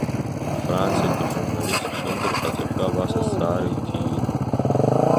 Франциатәи журналистк ҽымдыр ҟаҵашәа абас азҵаара иҭиит…